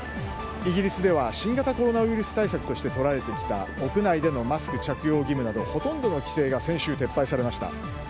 イギリスでは新型コロナウイルス対策としてとられてきた屋内でのマスク着用義務などほとんどの規制が先週撤廃されました。